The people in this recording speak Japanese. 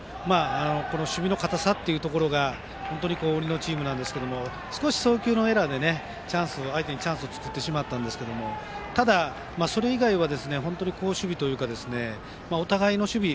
この守備の堅さが売りのチームですが送球のエラーで相手にチャンスを作ってしまったんですがただ、それ以外は本当に好守備というかお互いの守備が。